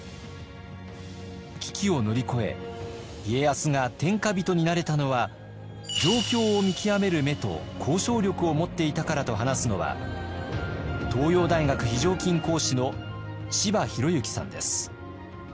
危機を乗り越え家康が天下人になれたのは状況を見極める目と交渉力を持っていたからと話すのは東洋大学非常勤講師の柴裕之さんです。